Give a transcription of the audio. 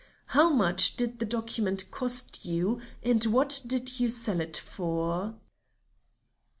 How much did the document cost you and what did you sell it for?"